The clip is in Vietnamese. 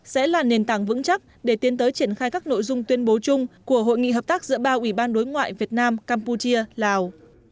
sẽ là nền tảng vững chắc để tiến tới triển khai các nội dung tuyên bố chung của hội nghị hợp tác giữa ba ủy ban đối ngoại việt nam campuchia lào